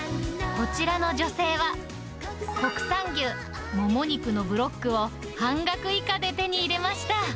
こちらの女性は、国産牛もも肉のブロックを半額以下で手に入れました。